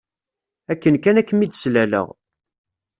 Akken kan ad kem-id-slaleɣ